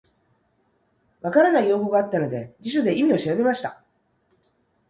分からない用語があったので、辞書で意味を調べました。